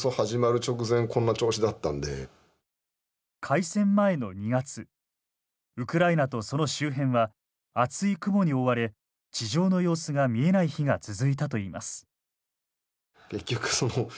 開戦前の２月ウクライナとその周辺は厚い雲に覆われ地上の様子が見えない日が続いたといいます。